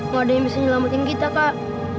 nggak ada yang bisa nyelamatin kita kak